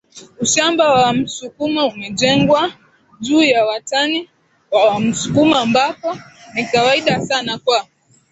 Ushamba wa msukuma umejengwa juu ya watani wa msukuma Ambapo ni kawaida sana kwa